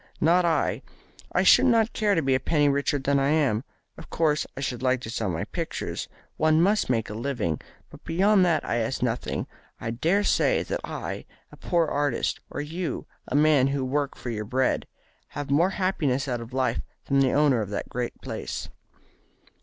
"Not I. I should not care to be a penny richer than I am. Of course I should like to sell my pictures. One must make a living. But beyond that I ask nothing. I dare say that I, a poor artist, or you, a man who work for your bread, have more happiness out of life than the owner of that great palace."